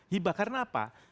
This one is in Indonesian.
hibah karena apa